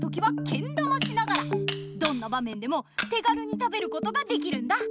どんな場めんでも手がるに食べることができるんだ！